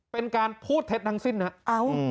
เป็นการพูดเท็จทั้งสิ้นนะครับ